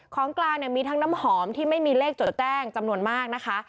ของกลางเนี่ยมีทั้งน้ำหอมที่ไม่มีเลขโจดแจ้งจำนวนมากนะคะ